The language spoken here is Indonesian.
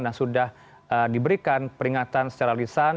dan sudah diberikan peringatan secara lisan